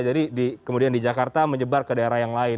jadi kemudian di jakarta menyebar ke daerah yang lain